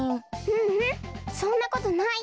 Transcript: ううんそんなことない。